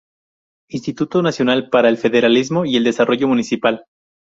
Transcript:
Instituto nacional para el Federalismo y el Desarrollo Municipal